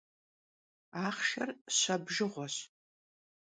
Axhşşer şe bjjığueş.